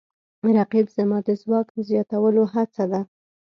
رقیب زما د ځواک د زیاتولو هڅه ده